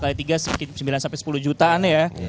tiga baterai minimal oke tiga x tiga sembilan sepuluh jutaan ya